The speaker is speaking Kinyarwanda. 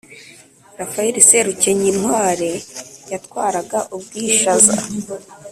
Rafaeli Serukenyinkware yatwaraga Ubwishaza.